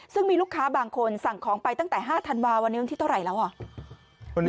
ซึ่งมีลูกค้าบางคนสั่งของไปตั้งแต่๕ธันวาวันนี้วันที่เท่าไหร่แล้วอ่ะ